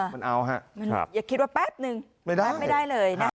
มันเอาฮะอย่าคิดว่าแป๊บนึงไม่ได้เลยนะคะ